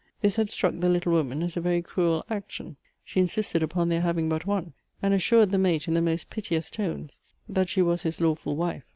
This had struck the little woman as a very cruel action; she insisted upon their having but one, and assured the mate in the most piteous tones, that she was his lawful wife.